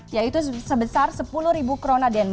yaitu sebesar rp sepuluh